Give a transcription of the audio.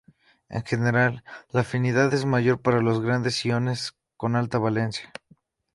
En general, la afinidad es mayor para los grandes iones con alta valencia.